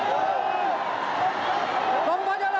โอ้โอ้